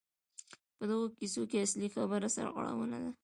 په دغو کیسو کې اصلي خبره سرغړونه ده.